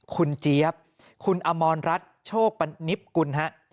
คุณเจี๊ยบคุณอมรรัฐโชคนิบกุลฮะ